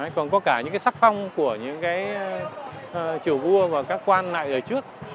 còn có cả những cái sắc phong của những cái triều vua và các quan lại ở trước